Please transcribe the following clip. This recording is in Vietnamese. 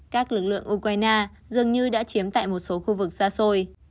các lực lượng ukraine dường như đã chiếm tại một số khu vực xa xôi